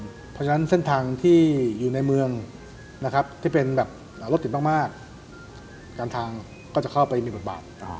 เพราะฉะนั้นเส้นทางที่อยู่ในเมืองนะครับที่เป็นแบบรถติดมากการทางก็จะเข้าไปมีบทบาท